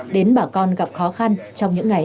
đến bà con gặp khó khăn trong những ngày